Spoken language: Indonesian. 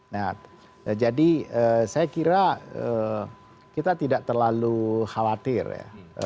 nah jadi saya kira kita tidak terlalu khawatir ya